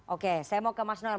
oke saya mau ke mas nur